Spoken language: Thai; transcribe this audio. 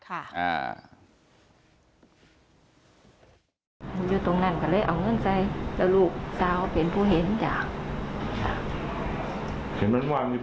อันนี้แม่งอียางเนี่ย